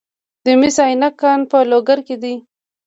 د مس عینک کان په لوګر کې دی